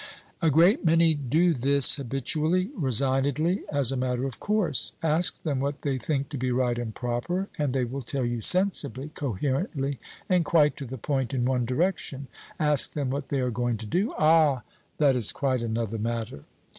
A great many do this habitually, resignedly, as a matter of course. Ask them what they think to be right and proper, and they will tell you sensibly, coherently, and quite to the point in one direction; ask them what they are going to do. Ah! that is quite another matter.